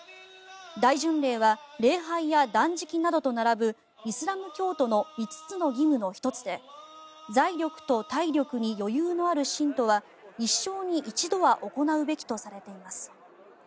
大巡礼は礼拝や断食などと並ぶイスラム教徒の５つの義務の１つで財力と体力に余裕のある信徒は一生に一度は行うべきとされています。